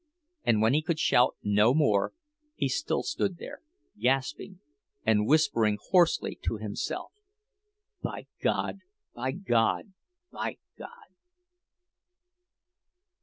And when he could shout no more he still stood there, gasping, and whispering hoarsely to himself: "By God! By God! By God!"